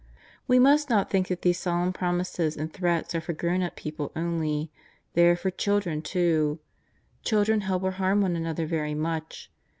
ft/ We must not think that these solemn promises and threats are for gTov, ii up people only. They are for children too. Children help or harm one another very much.